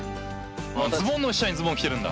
・ズボンの下にズボン着てるんだ？